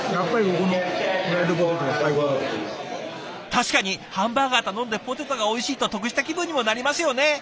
確かにハンバーガー頼んでポテトがおいしいと得した気分にもなりますよね！